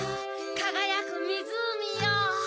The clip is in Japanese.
かがやくみずうみよ。